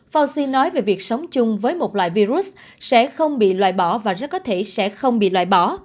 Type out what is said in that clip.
forci nói về việc sống chung với một loại virus sẽ không bị loại bỏ và rất có thể sẽ không bị loại bỏ